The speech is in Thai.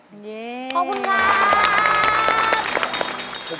ขอบคุณครับ